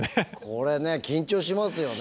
これね緊張しますよね。